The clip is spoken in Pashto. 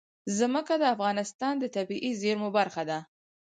ځمکه د افغانستان د طبیعي زیرمو برخه ده.